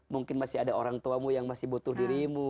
mungkin masih ada orang tuamu yang masih butuh dirimu